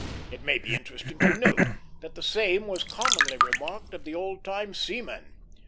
It may be interesting to note that the same was commonly remarked of the old time seaman.